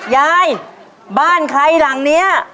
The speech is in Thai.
ยายบ้านใครหลังนี้